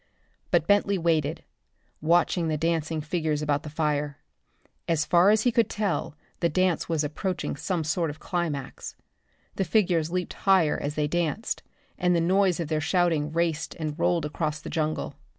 But Bentley waited, watching the dancing figures about the fire. As far as he could tell the dance was approaching some sort of a climax. The figures leaped higher as they danced, and the noise of their shouting raced and rolled across the jungle.